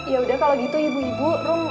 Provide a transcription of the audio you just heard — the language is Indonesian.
ya udah kalo gitu ibu ibu